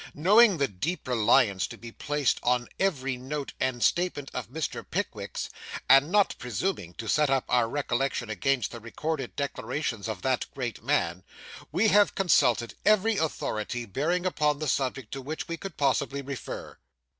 Knowing the deep reliance to be placed on every note and statement of Mr. Pickwick's, and not presuming to set up our recollection against the recorded declarations of that great man, we have consulted every authority, bearing upon the subject, to which we could possibly refer.